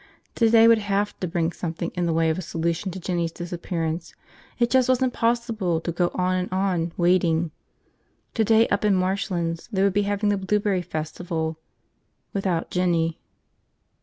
Today would have to bring something in the way of a solution to Jinny's disappearance, it just wasn't possible to go on and on, waiting. Today, up in Marshlands, they would be having the Blueberry Festival. Without Jinny.